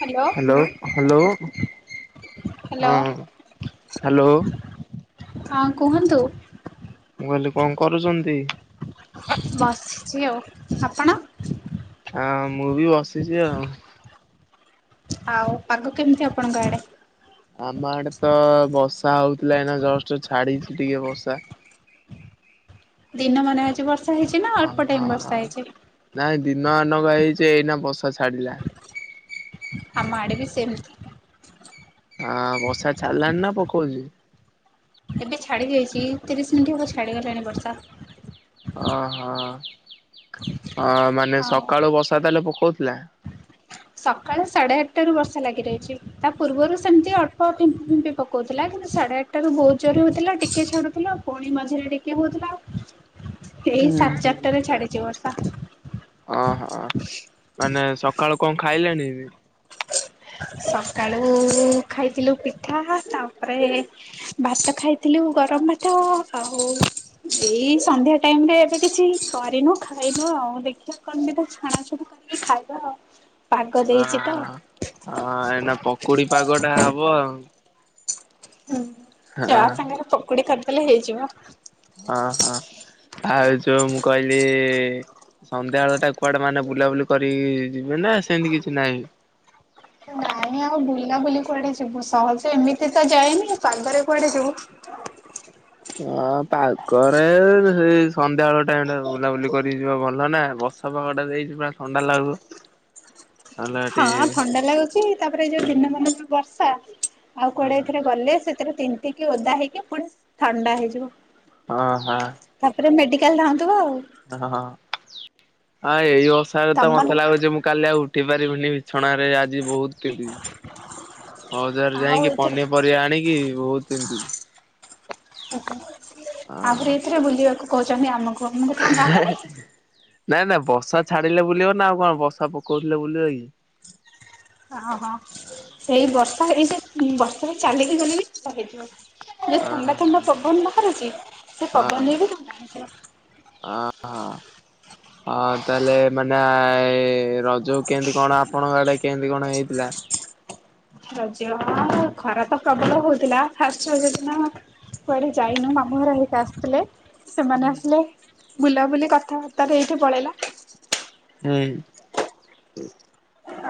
Hello. Hello. Hello ହଁ hello ହଁ କୁହନ୍ତୁ। ମୁଁ କହିଲି କଣ କରୁଚନ୍ତି। ବସିଚି ଆଉ ଆପଣ? ହଁ ମୁଁ ବି ବସିଚି ଆଉ। ଆଉ ପାଗ କେମିତି ଆପଣଙ୍କ ଆଡେ? ଆମ ଆଡେ ତ ବଷା ହଉଥିଲା ଏଇନା ଜଷ୍ଟ ଛାଡିଚି ଟିକେ ବର୍ଷା। ଦିନ ମାନେ ଆଜି ବର୍ଷା ହେଇଚି ନା ଅଳ୍ପ ଓହୋ ଟାଇମ ବର୍ଷା ହେଇଚି। ନାଇଁ ଦିନମାନ ପାହେଇଚି ଏଇନା ବସା ଛାଡିଲା। ଆମ ଆଡେ ବି ସେମିତି। ହଁ ବସା ଛାଡ଼ିଲାଣି ନା ପକଉଚି? ଏବେ ଛାଡି ଯାଇଚି ଏକତିରିଶ ମିନିଟ୍ ହବ ଛାଡିଗଲାଣି ବର୍ଷା। ଅହୋ ଅ ମାନେ ଆଉ ସକାଳୁ ବସା ତାହେଲେ ପକଉଥିଲା? ସକାଳେ ସାଢ଼େ ଆଠଟା ରୁ ବର୍ଷା ଲାଗି ରହିଚି। ତା ପୂର୍ବରୁ ସେମିତି ଅଳ୍ପ ଫିମ୍ପି ଫିମ୍ପି ପକଉଥିଲା କିନ୍ତୁ ସାଢ଼େ ଆଠଟା ରୁ ବହୁତ ଜୋରରେ ହଉଥିଲା ଟିକେ ଛାଡ଼ୁଥିଲା। ପୁଣି ମଝିରେ ଟିକେ ହଉଥିଲା ଏଇ ହୁଁ ସାଡେ ଚାରିଟାରେ ଛାଡିଚି ବର୍ଷା। ଅ ହଁ ମାନେ ସକାଳୁ କ ଖାଇଲେଣି? ସକାଳୁ ଖାଇଥିଲୁ ପିଠା ତାପରେ ଭାତ ଖାଇଥିଲୁ ଗରମ ଭାତ ଆଉ ଏଇ ସନ୍ଧ୍ୟା ଟାଇମ ରେ ଏବେ କିଛି କରିନୁ ଖାଇନୁ ଆଉ ଦେଖିଆ କଣ ଦିଟା ଛାଣାଛୁଣି କରି ଖାଇବା ଆଉ ପାଗ ଅ ଦେଇଚି ତ ଆଉ। ହଁ ଏଇନା ପକୁଡି ପାଗ ଟା ହବ ଆଉ। ହୁଁ ଚା ହଁ ସାଙ୍ଗରେ ପକୁଡି କରିଦେଲେ ହେଇଯିବ। ହଁ- ହଁ ଆଉ ଯୋଉ ମୁଁ କହିଲି ସନ୍ଧ୍ୟାବେଳେଟା କୁଆଡେ ମାନେ ବୁଲାବୁଲି କରି ଯିବେ ନା, ସେମତି କିଛି ନାହିଁ? ନାଇଁ ଆଉ ବୁଲା ବୁଲି କୁଆଡେ ଯିବୁ, ସହଜେ ଏମିତି ତ ଯାଏନି। ପାଗରେ କୁଆଡେ ଯିବୁ? ହଁ ପାଗରେ ସେଇ ସନ୍ଧ୍ୟାବେଳ ଟାଇମଟା, ବୁଲାବୁଲି କରିକି ଯିବା ଭଲ ନା। ବସ ର୍ଷା ପାଗଟା ଦେଇଛି ପୁରା ଥଣ୍ଡା ଲାଗୁ ନହେଲେ ହଁ ଟିକେ ଥଣ୍ଡା ଲାଗୁଛି, ତାପରେ ଏଇ ଯୋଉ ଦିନମାନ ଯୋଉ ବର୍ଷା ଆଉ ହଁ କୁଆଡ଼େ ଏଥିରେ ଗଲେ, ସେଥିରେ ତିନ୍ତିକି ଓଦା ହେଇକି ପୁଣି ଥଣ୍ଡା ହେଇଯିବ। ଅ - ହ। ତାପରେ ମେଡିକାଲ୍ ଧାଉଁଥିବ ଆଉ। ହ- ହ ଆଁ ଏଇ ବର୍ଷାକୁ ତ ମତେ ତମମାନଙ୍କୁ ଲାଗୁଛି, ମୁଁ କାଲି ଆଉ ଉ ଉଠି ପାରିବିନି ବିଛଣାରେ, ଆଜି ବହୁତ କି ବଜାର ଆଉ ଯାଇକି ଏଥିରେ ପନିପରିବା ଆଣିକି ବହୁତ ତିନ୍ତିଚି। ଓ ହୋ ଆହୁରି, ଏଥିରେ ବୁଲିଆକୁ କହୁଛନ୍ତି ଆମକୁ। ଆମକୁ ଥଣ୍ଡା ହବନି ନାଁ - ନାଁ ବର୍ଷା ଛାଡିଲେ ବୁଲିବ ନା, ଆଉ କଣ ବର୍ଷା ପକଉଥିଲେ ବୁଲିବ କି। ହଁ- ହଁ ସେଇ ବର୍ଷା, ଏଇ ଯୋଉ ବର୍ଷା ଚାଲିକି ଗଲେ ବି ଥଣ୍ଡା ହେଇଯିବ। ଯୋଉ ହଁ ଥଣ୍ଡା ଥଣ୍ଡା ହଁ। ପବନ ବାହାରୁଛି, ସେ ପବନରେ ବି ଥଣ୍ଡା ହେଇଯିବ। ଅ- ହଁ। ଅ ତାହେଲେ ମାନେ ଏ ରଜକୁ କେମତି କଣ, ଆପଣଙ୍କ ଆଡ଼େ କେମତି କଣ ହେଇଥିଲା? ରଜ ଖରା ତ ପ୍ରବଳ ହଉଥିଲା, ଫାଷ୍ଟ୍ ରଜ ଦିନ କୁଆଡ଼େ ଯାଇନୁ, ମାମୁଁ ଘର ଲୋକ ଆସିଥିଲେ। ସେମାନେ ଆସିଲେ, ବୁଲାବୁଲି କଥାବାର୍ତ୍ତାରେ ଏଇଠି ପଳେଇଲା। [unintelligible]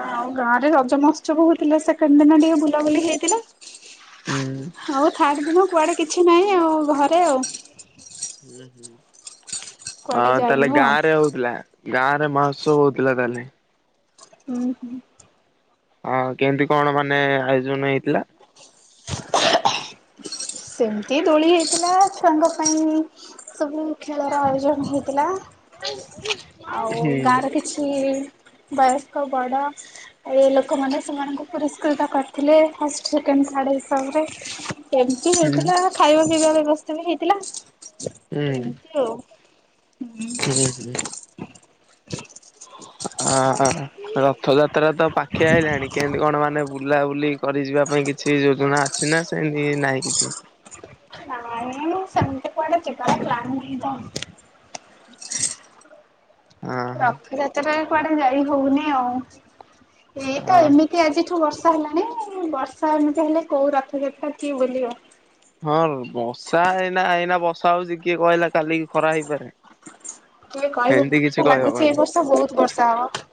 ଆଉ ଗାଁରେ ରଜ ମହୋତ୍ସବ ହଉଥିଲା, ସେକେଣ୍ଡ ଦିନ ଟିକେ ବୁଲାବୁଲି ହେଇଥିଲା। ହୁଁ। ଆଉ ଥାର୍ଡ ଦିନ, କୁଆଡେ କିଛି ନାହିଁ ଆଉ ଘରେ ଆଉ। ହୁଁ- ହୁଁ- କୁଆଡେ ହଁ ତାହେଲେ ଯାଇନୁ ଆଉ। ଗାଁରେ ହଉ ଥିଲା ଗାଁରେ ମହୋତ୍ସବ ହଉଥିଲା ତାହେଲେ। ହୁଁ- ହୁଁ। ହଁ କେମିତି କଣ ମାନେ ଆୟୋଜନ ହେଇଥିଲା? ସେମିତି ଦୋଳି ହେଇଥିଲା ଛୁଆଙ୍କ ସାଙ୍ଗେ ସବୁ ଖେଳର ଆୟୋଜନ ହେଇଥିଲା, ଆଉ ହୁଁ ଗାଁରେ କି ଛି ବୟସ୍କ ବଡ଼ ଏ ଲୋକମାନେ ସେମାନଙ୍କୁ ପୁରସ୍କୃତ କରିଥିଲେ ଫାଷ୍ଟ, ସେକେଣ୍ଡ, ଥାର୍ଡ଼ ହିସାବରେ ଏମିତି ହୁଁ ହେଇଥିଲା। ଖାଇବା ପିଇବା ବ୍ୟବସ୍ଥା ବି ହେଇଥିଲା, ହୁଁ ଏମିତି ଆଉ ହୁଁ। [unintelligible] ହଁ- ହଁ- ହଁ ରଥଯାତ୍ରା ତ ପାଖିଆ ଆଇଲାଣି, କେମତି କଣ ମାନେ ବୁଲ୍ ବୁଲାବୁଲି କରି ଯିବା ପାଇଁ କିଛି ଯୋଜନା ଅଛି, ନା ସେମିତି ନାହିଁ କିଛି? ନାଇଁ ସେମିତି କୁଆଡ଼େ ଯିବାର ପ୍ଲାନ ହେଇନି ତ। ହଁ ରଥଯାତ୍ରା କୁଆଡେ ଯାଇ ହଉନି ଆଉ, ଏଇତ ହଁ ଏମି ତି ଆଜିଠୁ ବର୍ଷା ହେଲାଣି, ବର୍ଷା ଏମିତି ହେଲେ କୋଉ ରଥଯାତ୍ରା କିଏ ବୁଲିବ? ହଁ ବର୍ଷା ଏଇନା, ଏଇନା ବର୍ଷା ହଉଛି କିଏ କହିଲା କାଲିକି ଖରା ହେଇପାରେ। କିଏ କହିବ, ଏମିତି ମତେ କିଛି ତ ଲାଗୁଛି ଏଇ କହିହବନି। ବର୍ଷ ବହୁତ ବର୍ଷା ହବ।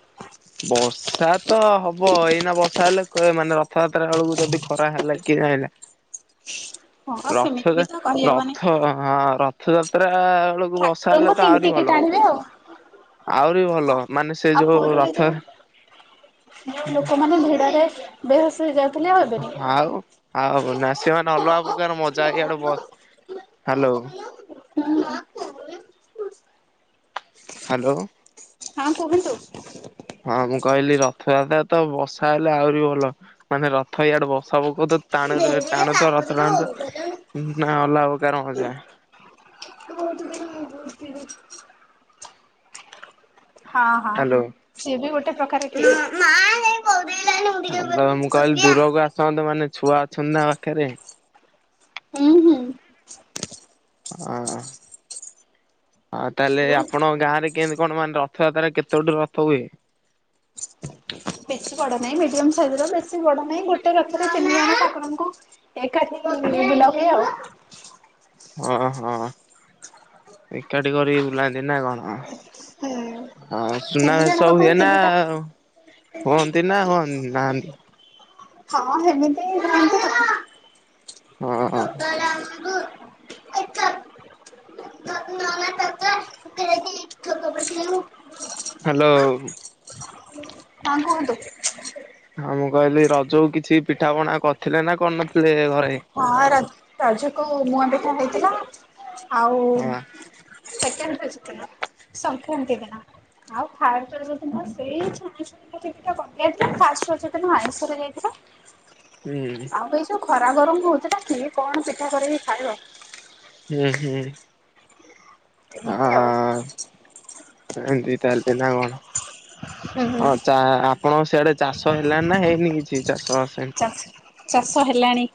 ବସ୍ ର୍ଷା ତ ହବ, ଏଇନା ବର୍ଷା ହେଲେ ମାନେ ରଥଯାତ୍ରା ବେଳକୁ ଯଦି ଖରା ହେଲା କିଏ ଜାଣିଲା। ହ ରଥଯା ରଥ ଅ ର ରଥଯାତ୍ରା ବେଳକୁ ବର୍ଷା ଠାକୁରଙ୍କୁ ହେଲେ ତ ଆହୁରି ତିନ୍ତିକି ଭଲ। ଟାଣିବେ ଆଉ। ଆହୁରି ଭଲ ମାନେ ସେ ଆଉ ଯୋଉ ପୁରୀରେ ରଥ ଯୋଉ ଲୋକମାନେ ଭିଡ଼ରେ ବେହସ ହେଇ ଯାଉ ଆ ଫାବ ଆଉ ନା ସିଏ ମାନେ ଅଲଗା ପ୍ରକାର ମଜା ହେଇଆଡୁ ବସ୍ ହେଲୋ ହାଲୋ? ହଁ କୁହନ୍ତୁ? ହଁ ମୁଁ କହିଲି ରଥଯାତ୍ରା ତ ବର୍ଷା ହେଲେ ଆହୁରି ଭଲ ମାନେ ରଥ ଇଆଡ଼େ ବର୍ଷା ପକଉ ଟାଣୁ [unintelligible] ଟାଣୁ ତ ରଥ ଟାଣୁ ତ ନା ଅଲାବ [unintelligible] ଯାଏ। [unintelligible] ହଁ ହଁ ହ୍ୟାଲୋ। ସିଏ ବି ଗୋଟେ ପ୍ରକାର କ୍ଷୀରି। ହଲ ମୁଁ କହିଲି ଦୂରକୁ ଆସନ୍ତୁ ମାନେ ଛୁଆ ଅଛନ୍ତି ନା ପାଖରେ। ହୁଁ ହୁଁ। ଅ ହଁ ଆ ତାହେଲେ ଆପଣଙ୍କ ଗାଁରେ କେମିତି କଣ ମାନେ ରଥଯାତ୍ରାାରେ କେତେ ଗୋଟେ ରଥ ହୁଏ? ବେଶୀ ବଡ ନାହିଁ ମିଡିୟମ ସାଇଜ ର ବେଶୀ ବଡ ନାହିଁ ଗୋଟେ ରଥରେ ତିନି ଜଣ ଠାକୁରଙ୍କୁ ଏକାଠି [unintelligible] ବୁଲା ହୁଏ ଆଉ। ଓ ହଁ ଏକାଠି କରି ବୁଲାନ୍ତି ନା କଣ? ହୁଁ ହଁ ସୁନା ତିନି ବେଶ ଜଣଙ୍କ ପାଇଁ ହୁଏ ନା ତିନିଟା ଆଉ। ହୁଅନ୍ତି ନା ହୁଅନ୍ତି ନାହାନ୍ତି? ହଁ ହେମିତି [inaudible] ହଁ ହଁ [inaudible] ହାଲୋ। ହଁ କୁହନ୍ତୁ? ହଁ ମୁଁ କହିଲି ରଜ କିଛି ପିଠା ପଣା କରିଥିଲେ ନା କରିନଥିଲେ ଘରେ? ହଁ ରଜୁକୁ ମୁଁଆପିଠା ହେଇଥିଲା ଆଉ। ହଁ ସେକେଣ୍ଡ ରଜ ଦିନ ସଂକ୍ରାନ୍ତି ଦିନ ଆଉ ଫାର୍ କରିବା ଦିନ ସେଇ ଛଅ ମାସ ଟିଭିଟା କଟି ଯାଇଥିଲା ମୁ ହାଶ୍ଚ୍ୟାଜ୍ୟ ଟାକୁ ଆଇଁଶରେ ଯାଇଥିଲା। ହୁଁ ଆଉ ଏଇ ସୁ ଖରା ଗରମ ହଉଛି ନା କି କଣ ପିଠା କରିକି ଖାଇବ। ହୁଁ ହୁଁ। ଆ ଏମିତି ଆଉ। ଏମିତି ତାଲିଛି ନା କଣ ହୁଁ ହୁଁ ହଁ ଚା ଆପଣଙ୍କ ସେଆଡେ ଚାଷ ହେଲାନଣି ନା ହେଇନି କିଛି ଚାଷ ଆସନ ଏମିତି ଚାଷ ହେଲାଣି।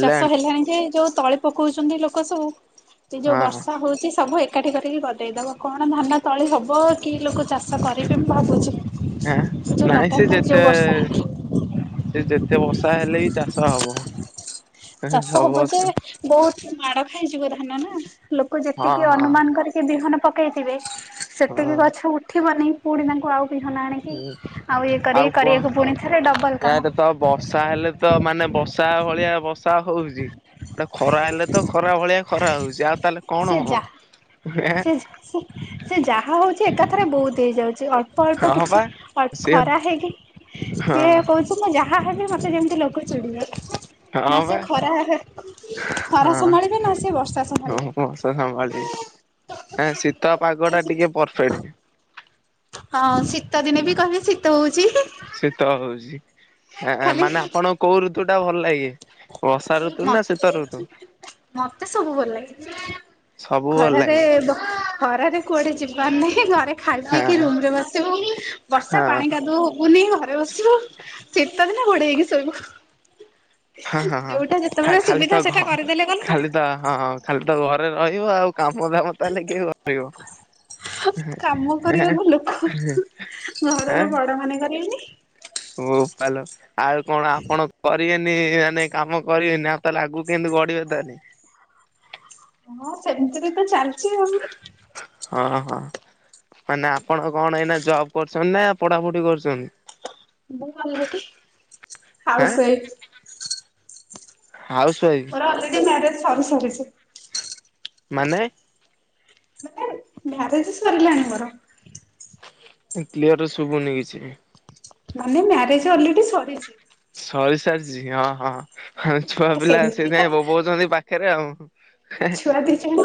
ଚାଷ ହେଲାଣି ଯେ ଯୋଉ ତଳି ପକଉଛନ୍ତି ଲୋକ ସବୁ ଏଯୋଉ ହଁ ବର୍ଷା ହଉଛି ସବୁ ଏ ଏକାଠି କରିକି କରିଦେଇଦବ କଣ ଧାନ ତଳି ହବ କି ଲୋକ ଚାଷ କରିବେ ମୁଁ ଭାବୁଛି। ହଁ ଯୋଉ ନାଇଁ ସେ ଲଗାତାର ଯେତେ ଯୋଉ ବର୍ଷା ହେଲା ସେ ଯେତେ ବର୍ଷା ହେଲେ ବିି ଚାଷ ହବ। ଚାଷ ସବୁ ହବ ବର୍ଷ ଯେ ବହୁତ ମାଡ ଖାଇଯିବ ଧାନ ନା ଲୋକ ଯେତିକି ହଁ ହଁ ଅନୁମାନ କରିକି ବିହନ ପକେଇଥିବେ ସେତିକି ହଁ ଗଛ ଉଠିବନି ପୁଣି ତାଙ୍କୁ ଆଉ ଵିହନ ଅଣିକି ଆଉ ଇଏ କରି କରିବାକୁ ପୁଣି ଥରେ ଡବଲ କାମ। ଇଆଡେ ତ ବର୍ଷା ହେଲେ ତ ମାନେ ବର୍ଷା ଭଳିଆ ବର୍ଷା ହଉଛି। ଟେ ଖରା ହେଲେ ତ ଖରା ଭଳିଆ ଖରା ହଉଛି ଆଉ ତାହେଲେ କଣ ସେ ହବ ଯାହା ସେ ସେ ଯାହା ହଉଛି ଏକାଥରେ ବହୁତ ହେଇଯାଉଛି। ଅଳ୍ପ ଏଁ ହଁ ବା। କିଛି ଅଳ୍ପ ସିଏ ଖରା ହେଇକି ସିଏ ହଁ କହୁଛି ମୁଁ ଯାହା ହେବି ମତେ ଯେମିତି ଲୋକ ଚୋଡ଼ିବେ। ନା ହଁ ସେ ବା ଖରାହେ ଖରା ସମ୍ଭାଳିବେ ନା ସେ ବର୍ଷା ସମ୍ଭାଳିବେ। ସେ ସମ୍ଭାଳିବେ ହେଁ ଶୀତ ପାଗଟା ଟିକେ ପରଫେକ୍ଟ। ହଁ ଶୀତ ଦିନେ ବି କହିବେ ଶୀତ ହଉଛି। ଶିତ ହଉଛି ଖାଲି ମାନେ ଆପଣଙ୍କୁ କୋଉ ଋତୁ ଟା ଭଲ ଲାଗେ? ବର୍ଷା ଋତୁ ନା ଶୀତ ଋତୁ ମତେ ସବୁ ଭଲ ଲାଗେ। ସବୁ ଭଲ ଖରାରେ ଲାଗେ ବ ଖରାରେ କୁଆଡେ ଯିବାର ନାହିଁ ଘରେ। ଖାଇ ପିଇକି ହଁ ରୁମ୍ ରେ ବସିବୁ ବର୍ଷା ହଁ ପାଣି କାଦୁଅ ହବୁୁନି ଘରେ ବସି ସିବୁ ଶୀତ ଦିନ ଘୋଡେଇ ହେଇକି ଶୋଇବୁ। ହଁ, ହଁ, ହଁ ଯୋଉଟା ଖା- ଯେତେବେଳେ ଖାଲି ସୁବିଧା ତ ସେଟା କରିଦେଲେ ଗଲା ଘ-ଖାଲି ତ ଆଉ ହଁ, ହଁ ଖାଲି ତ ଘରେ ରହିବ ଆଉ କାମ ଦାମ ତାହେଲେ କିଏ କରିବ? କାମ ହେଁ କରିବାକୁ ଲୋକ ଘରର ବଡ ମାନେ କରିବେନି। ବୋପାଲ ଆଉ କଣ ଆପଣ କରିବେନି ମାନେ କାମ କରିବେନି ଆଉ ତାହେଲେ ଆଗୁକୁ କେମିତି ଗଢିବେ ତାହାଲେ? ହଁ ସେମିତିରେ ତ ଚାଲିଛି ଆଉ। ହଁ, ହଁ। ମାନେ ଆପଣ କଣ ଏଇନା ଜବ୍ କରୁଛନ୍ତି ନା ପଢାପଢି କରୁଚନି? [unintelligible] ହାଉସ୍ ହାଁ ୱାଇଫ୍। ହାଉସ ୱାଇଫ ମୋର ଅଲରେଡି ମ୍ୟାରେଜ୍ ସରି ସାରିଛି। ମାନେ? ସତରେ ମାରେଜ୍ ସରିଲାଣି ମୋର। ଇଁ, କ୍ଲିୟର ଶୁଭୁନି କିଛି। ମାନେ ମ୍ୟାରେଜ୍ ଅଲରେଡି ସରିଛି। ସରିସାରିଚି ହଁ, ହଁ, ହଁ, ଛୁଆ ଆଉ ପିଲା ସେମିତି ତ ସେଇଥିପାଇଁ ବୋବଉଚନ୍ତି ପାଖରେ ଆଉ। ଛୁଆ ଦି ଜଣ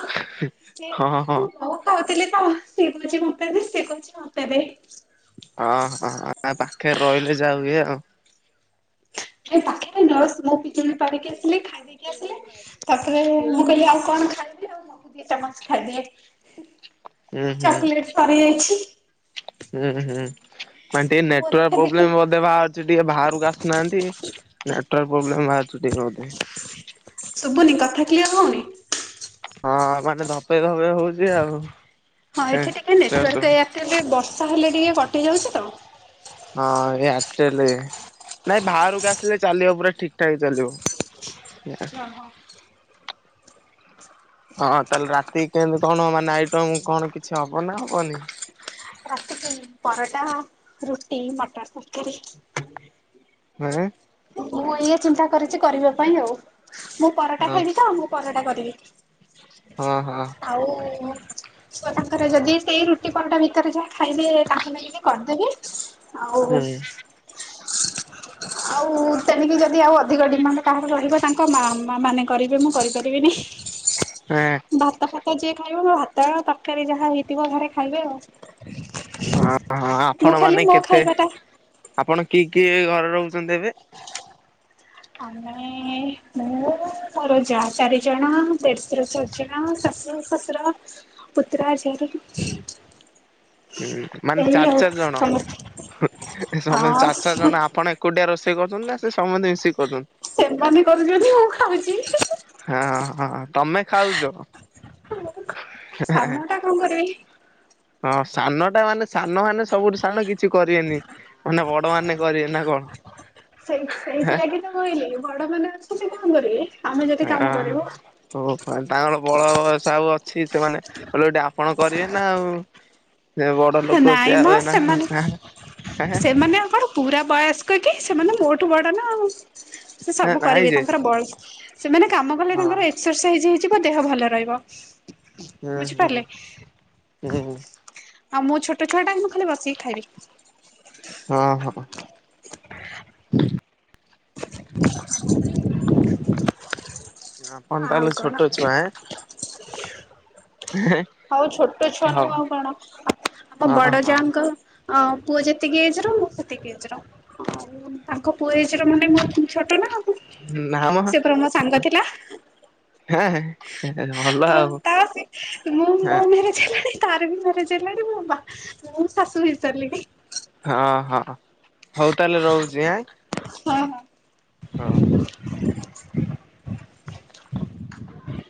ସେ ହଁ ହଁ ତୁ କହୁ କହୁଥିଲି ତ କ ସିଏ କହୁଛି ମୋତେ ଦେ, ସେ କହୁଛି ମୋତେ ଦେ। ଓ ହଁ ନା ପାଖରେ ରହିଲେ ଯା ହୁଏ ଆଉ। ଏ ପାଖରେ ଜଷ୍ ମୋ ପିଜୁଳି ପାରିକି ଆସିଲି, ଖାଇ ଦେଇକି ଆସିଲେ। ତାପରେ ମୁଁ କହିଲି ଆଉ କଣ ଖାଇବି ଆଉ ମହୁ ଦି ଚାମଚ ଖାଇଦିଏ। ଉଁ, ହୁଁ, ଚକୋଲେଟ ସରିଯାଇଛି ଉଁ, ହୁଁ। ମାନେ ଟିକେ ମୁଁ ନେଟୱାର୍କ ଦେଖା ଦେଖି ପ୍ରୋବ୍ଲେମ୍ ବୋଧେ ବାହା ଚି ଟିକେ ବାହାରକୁ ଆସିୁନାହାନ୍ତି। ନେଟୱାର୍କ ପ୍ରୋବ୍ଲେମ୍ ବାହାରୁଚୁ ଟିକେ ବୋଧେ। ଶୁଭୁନି କଥା କ୍ଲିୟର୍ ହଉନି? ହଁ ମାନେ ଧପେଇ ଧପେଇ ହଉଚି ଆଉ। ହଁ ଏଠି ଟିକେ ନେଟୱାର୍କ ଏ ଆକ୍ଚୁଲି ବର୍ଷା ହେଲେ ଟିକେ କଟିଯାଉଛି ତ। ହଁ ହେ ଆକ୍ଚଲି ନାଇଁ ବାହାରକୁ ଆସିଲେ ଚାଲିବ ପୁରା ଠିକ ଠାକ ଚାଲିବ। [unintelligible] ହଁ ହଁ। ହଁ ତାହେଲେ ରାତିକି କେମତି କଣ ମାନେ ନାଇଟ୍ ର ମୁଁ କଣ କିଛି ହବ ନା ହବନି? ରାତିକି ପରଟା, ରୁଟି, ମଟର ତରକାରୀ। [unintelligible] ମୁଁ ଏଇଆ ଚିନ୍ତା କରିଛି କରିବା ପାଇଁ ଆଉ ମୁଁ ପରଟା ହଁ ଖାଇବି ତ ମୁଁ ପରଟା କରିବି, ହଁ ହଁ ଆଉ ଛୁଆ ତାଙ୍କର ଯଦି ସେଇ ରୁଟି ପରଟା ଭିତରେ ଯାହା ଖାଇବେ ତାଙ୍କ ନାଇକି ବି କରିଦେବି। ଆଉ ହୁଁ ଆଉ ତେଣିକି ଯଦି ଆଉ ଅଧିକ ଡିମାଣ୍ଡ କାହାର ରହିବ ତାଙ୍କ ମାମା ମାନେ କରିବେ ମୁଁ କରିପାରିବିନି। ହଁ। ଭାତ ଫାତ ଯିଏ ଖାଇବ ଭାତ ତରକାରୀ ଯାହା ହେଇଥିବ ଘରେ ଖାଇବେ ଆଉ। ହଁ, ହଁ ମୁଁ ଆପଣ ଖାଲି ମାନେ ମୋ କେତେ ଖାଇବା ଟା ଆପଣ କିଏ କିଏ ଘରେ ରହୁଛନ୍ତି ଏବେ? ଆମେ ମୁଁ ମୋର ଯା ଚାରିଜଣ ଦେଢଶରୁ ଚାରି ଜଣ ଶାଶୁ ଶଶୁ ଶୁର, ପୁତୁରା ଝିଆରୀ। ହୁଁ, ମାନେ ଏଇ ଚାର ଆଉ ଚାର ଜଣ ସମସ୍ତେ ହୁଁ, ଏ ସମସ୍ତେ ଚାର ଚାର ହଁ ଜଣ ଆପଣ ଏକୁଟିଆ ରୋଷେଇ କରୁଚନ୍ତି ନା ସେ ସମସ୍ତେ ମିଶିକି କରୁଚନ୍? ସେମାନେ କରୁଚନ୍ତି ମୁଁ ଖାଉଚି। ହଁ ହଁ ତମେ ଖାଉଛ ହଁ। [inaudible] ସାନ ଟା କଣ କରିବି? ହଁ ସାନ ଟା ମାନେ ସାନ ମାନେ ସବୁଠୁ ସାନ କିଛି କରିବେନି ମାନେ ବଡ଼ ମାନେ କରିବେ ନା ସେଇ କଣ? ସେଇଥିଲାଗି କହିଲି ବଡ଼ ମାନେ ଅଛନ୍ତି କଣ କରିବେ ଆମେ ଯଦି କାମ କରିବୁ। ଓ ହୋ ତାଙ୍କର ବଳ ବୟସ ଆଉ ଅଛି ସେମାନେ ଓଲୋଟି ଆପଣ କରିବେ ନା ଆଉ। ସେ ବଡ଼ ଲୋକ ସେ ନାଇଁ ଆଉ ମ ସେମାନେ ଏଇନା ସେମାନେ ଆଉ କଣ ପୁରା ବୟସସ୍କ କି ସେମାନେ ମୋଠୁ ବଡ଼ ନା ଆଉ। ସେ ସବୁ ନାଇଁ କରିବେ ଯେ ତାଙ୍କର ବଳ ସେମାନେ କାମ କଲେ ହଁ ତାଙ୍କର ଏସ ଏକ୍ସରସାଇଜ ହେଇଯିବ ଦେହ ଭଲ ରହିବ। ବୁଝିପାରିଲେ ହୁଁ ହୁଁ ହୁଁ। ଆଉ ମୁଁ ଛୋଟ ଛୁଆଟା ମୁଁ ଖାଲି ବସିକି ଖାଇବି। ହଁ ହଁ। [inaudible] [inaudible] ଆପଣ ଆଉ ତାହେଲେ କଣ ଛୋଟ ଛୁଆ ଆଁ ଆଉ ଛୋଟ ଛୁଆ ହଉ ନୁହିଁ ଆଉ କଣ ଆମ ହଁ ବଡ଼ ହଁ ଯାଙ୍କ ଆଉ ପୁଅ ଯେତିକି ଏଜର ମୁଁ ସେତିକି ଏଜ ର ଆଉ ତାଙ୍କ ପୁଅ ଏଜ ର ମାନେ ମୋର ନା ମ [unintelligible] ସେ ପରା ମୋ ସାଙ୍ଗ ଥିଲା। [unintelligible] ଆଉ ତା ସେ ମୁଁ ମୋ ମ୍ୟାରେଜ୍ ହେଲାଣି। ତାର ବି ମରେଜ ହେଲାଣି ମୋବା ମୁଁ ଶାଶୁ ହେଇ ସାରିଲିଣି। ହଁ ହଁ ହଉ ତାହେଲେ ରହୁଛି ଆଁ? ହଁ ହଁ। ହଁ [inaudible]